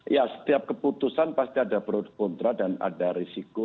ya setiap keputusan pasti ada pro kontra dan ada risiko